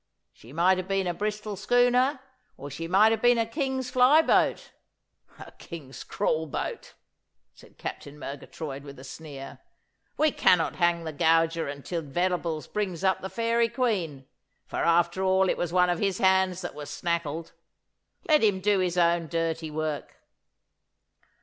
She might have been a Bristol schooner, or she might have been a King's fly boat.' 'A King's crawl boat,' said Captain Murgatroyd, with a sneer. 'We cannot hang the gauger until Venables brings up the Fairy Queen, for after all it was one of his hands that was snackled. Let him do his own dirty work.